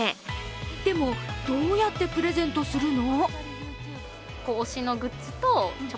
でもどうやってプレゼントするの？